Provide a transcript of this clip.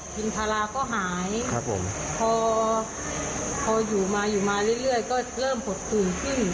พินทาราก็หายพออยู่มาอยู่มาเรื่อยก็เริ่มผดขื่นขึ้น